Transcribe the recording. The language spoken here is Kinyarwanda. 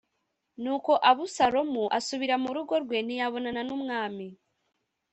Nuko Abusalomu asubira mu rugo rwe, ntiyabonana n’umwami.